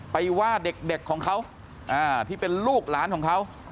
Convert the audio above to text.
ไปว่าเด็กของเขาที่เป็นลูกหลานของเขา